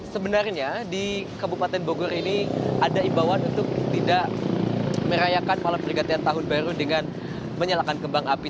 sebenarnya di kabupaten bogor ini ada imbauan untuk tidak merayakan malam pergantian tahun baru dengan menyalakan kembang api